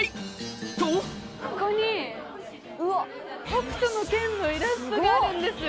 ここに『北斗の拳』のイラストがあるんです。